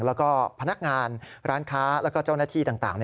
แล้วก็พนักงานร้านค้าแล้วก็เจ้าหน้าที่ต่าง